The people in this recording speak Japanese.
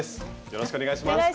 よろしくお願いします。